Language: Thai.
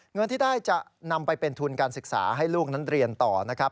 เงินที่ได้จะนำไปเป็นทุนการศึกษาให้ลูกนั้นเรียนต่อนะครับ